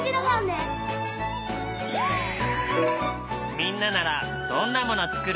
みんなならどんなもの作る？